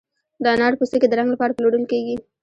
د انارو پوستکي د رنګ لپاره پلورل کیږي؟